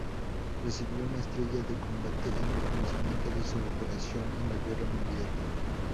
Recibió una estrella de combate en reconocimiento de su operación en la guerra mundial.